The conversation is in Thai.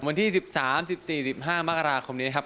วันที่๑๓๑๔๑๕มคมนี้นะครับ